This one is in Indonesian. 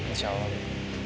insya allah be